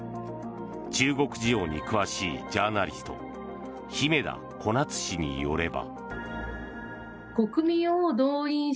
中国事情に詳しいジャーナリスト姫田小夏氏によれば。